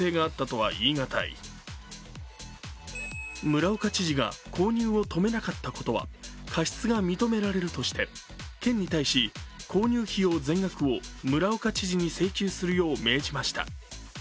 村岡知事が購入を止めなかったことは過失が認められるとして県に対し、購入費用全額を村岡知事に請求するよう命じました。